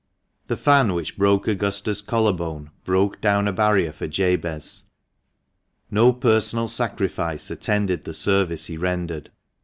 The fan which broke Augusta's collar bone broke down a barrier for Jabez. No personal sacrifice attended the service he rendered.